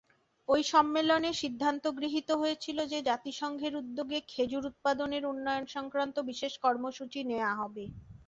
ঐ সম্মেলনে সিদ্ধান্ত গৃহীত হয়েছিল যে, জাতিসংঘের উদ্যোগে খেজুর উৎপাদনের উন্নয়ন সংক্রান্ত বিশেষ কর্মসূচী নেয়া হবে।